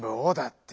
って